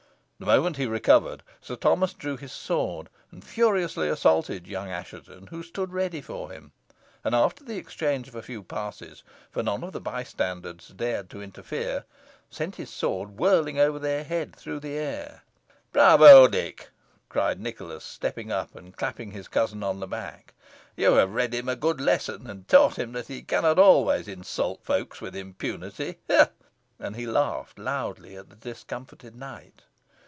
The moment he recovered, Sir Thomas drew his sword, and furiously assaulted young Assheton, who stood ready for him, and after the exchange of a few passes, for none of the bystanders dared to interfere, sent his sword whirling over their heads through the air. "Bravo, Dick," cried Nicholas, stepping up, and clapping his cousin on the back, "you have read him a good lesson, and taught him that he cannot always insult folks with impunity, ha! ha!" And he laughed loudly at the discomfited knight.